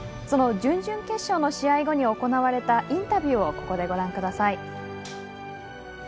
その準々決勝の試合後に行われたインタビューをご覧ください。